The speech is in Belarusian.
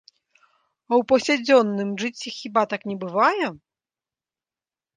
А ў паўсядзённым жыцці хіба так не бывае?